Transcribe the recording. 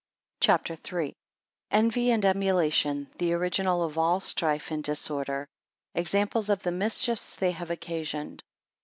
CHAPTER III. Envy and emulation the original of all strife and disorder. Examples of the mischiefs they have occasioned.